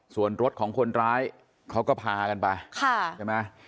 ส่วนรถของคนร้ายเขาก็พากันไปใช่ไหม